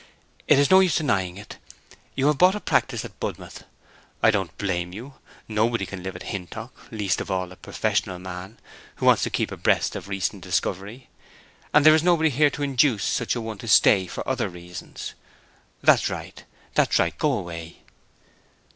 "It is no use denying it. You have bought a practice at Budmouth. I don't blame you. Nobody can live at Hintock—least of all a professional man who wants to keep abreast of recent discovery. And there is nobody here to induce such a one to stay for other reasons. That's right, that's right—go away!"